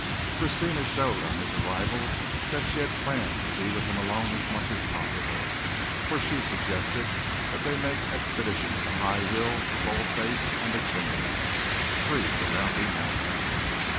Christina showed on his arrival that she had planned to be with him alone as much as possible, for she suggested that they make expeditions to High Hill, to Bold Face, and The Chimney three surrounding mountains.